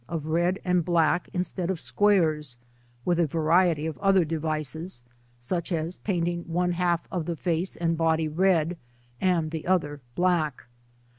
of red aad black instead of squares, with a variety of other devices, such as paiating one half of the face and body red, and the other black.